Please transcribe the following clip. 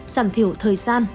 giảm thiểu thời gian